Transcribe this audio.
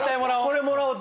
これもらおう